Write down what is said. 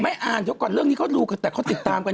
ไม่อ่านเดี๋ยวก่อนเรื่องนี้เขารู้แต่เขาติดตามกันเยอะ